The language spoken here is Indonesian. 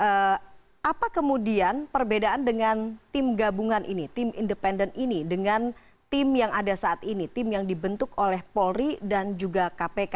oke apa kemudian perbedaan dengan tim gabungan ini tim independen ini dengan tim yang ada saat ini tim yang dibentuk oleh polri dan juga kpk